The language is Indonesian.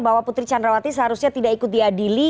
bahwa putri candrawati seharusnya tidak ikut diadili